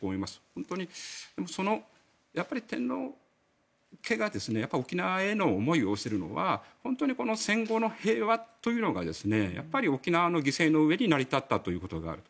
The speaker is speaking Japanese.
本当に、やっぱり天皇家が沖縄への思いを寄せているのは本当に戦後の平和というのが沖縄の犠牲の上に成り立ったということがある。